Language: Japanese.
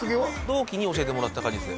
同期に教えてもらった感じです